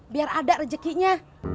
biar ada rejekinya